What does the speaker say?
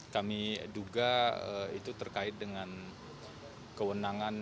kami duga itu terkait dengan kewenangan